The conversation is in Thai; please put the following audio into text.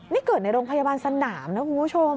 นี่เกิดในโรงพยาบาลสนามนะคุณผู้ชม